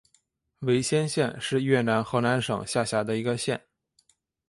维先县是越南河南省下辖的一个县。